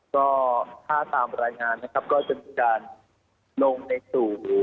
ก็ถ้าตามรายงานนะครับก็จะมีการลงในสู่